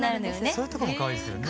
そういうとこがかわいいですよね。